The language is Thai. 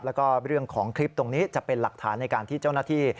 แล้วก็เรื่องของคลิปตรงนี้จะเป็นหลักฐานในการที่เจ้าหน้าที่